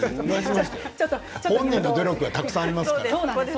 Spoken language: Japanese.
ご本人の努力たくさんありますからね。